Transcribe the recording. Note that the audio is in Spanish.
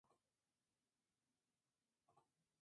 En estos casos es necesario actuar sobre la oferta agregada.